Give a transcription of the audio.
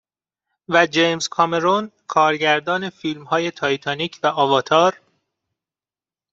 و جیمز کامرون کارگردان فیلم های تاتیتانیک و آواتار